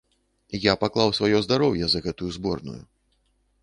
Я паклаў сваё здароўе за гэтую зборную.